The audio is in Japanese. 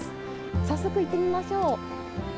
早速行ってみましょう。